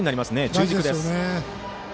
中軸です。